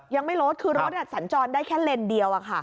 ยังไม่ลดคือรถสัญจรได้แค่เลนเดียว